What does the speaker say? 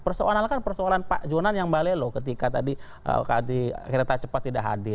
persoalan kan persoalan pak jonan yang balelo ketika tadi kereta cepat tidak hadir